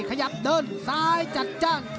ขยับเดินซ้ายจัดจ้าน